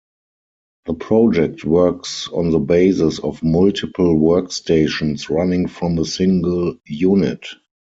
The project works on the basis of multiple workstations running from a single unit.